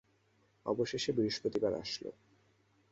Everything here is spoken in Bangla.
অবশেষে বৃহস্পতিবার আসল।